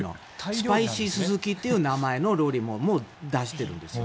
スパイシースズキという名前の料理も出しているんです。